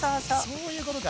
そういうことか。